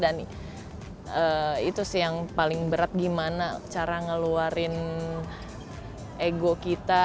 dan itu sih yang paling berat gimana cara ngeluarin ego kita